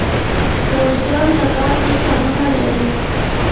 جوزجان د ګازو کانونه لري